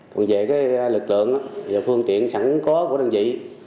còn về lực lượng và phương tiện sẵn có của đơn vị